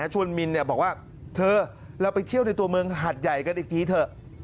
ชวนมินบอกว่าเธอเราไปเที่ยวในตัวเมืองหัดใหญ่กันอีกทีเถอะ